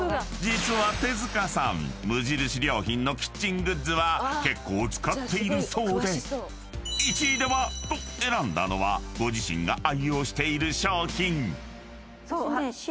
［実は手塚さん無印良品のキッチングッズは結構使っているそうで１位では？と選んだのはご自身が愛用している商品］